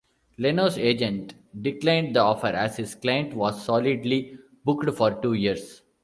Leno's agent declined the offer, as his client was solidly booked for two years.